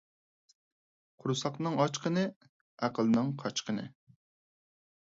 قۇرساقنىڭ ئاچقىنى – ئەقىلنىڭ قاچقىنى.